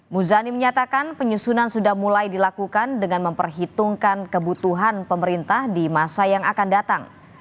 muzani menyatakan penyusunan sudah mulai dilakukan dengan memperhitungkan kebutuhan pemerintah di masa yang akan datang